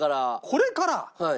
これから！？